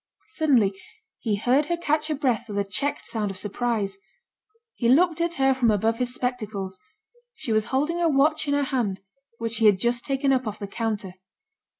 Suddenly he heard her catch her breath with a checked sound of surprise. He looked at her from above his spectacles; she was holding a watch in her hand which she had just taken up off the counter.